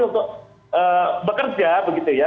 untuk bekerja begitu ya